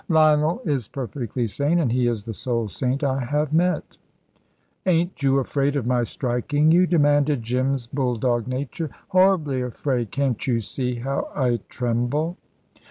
"Lionel is perfectly sane, and he is the sole saint I have met." "Ain't you afraid of my striking you?" demanded Jim's bulldog nature. "Horribly afraid. Can't you see how I tremble?"